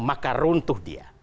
maka runtuh dia